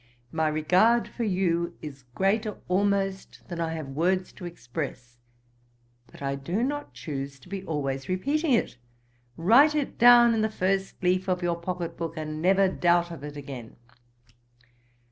My regard for you is greater almost than I have words to express; but I do not choose to be always repeating it; write it down in the first leaf of your pocket book, and never doubt of it again.'